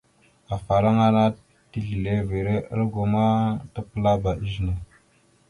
Afalaŋana tislevere algo ma tapəlaba izəne.